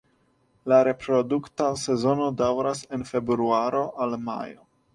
La reprodukta sezono daŭras el februaro al majo.